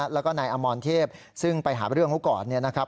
แล้วก็นายอมรเทพซึ่งไปหาเรื่องเขาก่อนเนี่ยนะครับ